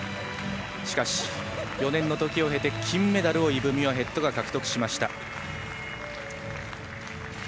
しかし、４年のときを経て金メダルをイブ・ミュアヘッドが獲得しました。